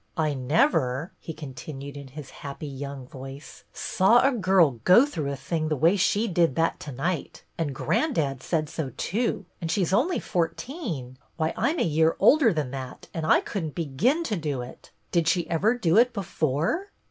" I never," he continued in his happy young voice, "saw a girl go through a thing the way she did that to night, and grandad said so too. And she 's only fourteen. Why, I 'm a year older than that, and I could n't begin to do it. Did she ever do it before